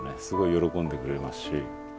すごい喜んでくれますし。